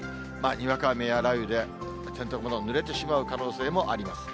にわか雨や雷雨で洗濯物、ぬれてしまう可能性もあります。